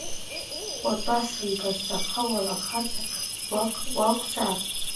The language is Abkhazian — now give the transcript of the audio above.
Уатәасымбазт, аха уара хаҵа ӷәӷәак уакәзаап!